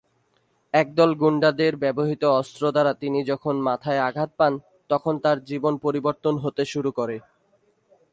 একদল গুন্ডাদের ব্যবহৃত অস্ত্র দ্বারা তিনি যখন মাথায় আঘাত পান, তখন তাঁর জীবন পরিবর্তন হতে শুরু করে।